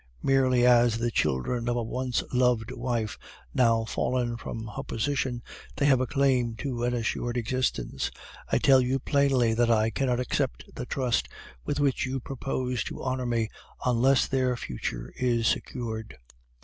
Merely as the children of a once loved wife, now fallen from her position, they have a claim to an assured existence. I tell you plainly that I cannot accept the trust with which you propose to honor me unless their future is secured.